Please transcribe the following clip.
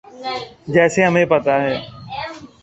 جیسے ہمیں پتہ ہے۔